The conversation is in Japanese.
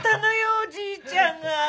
おじいちゃんが。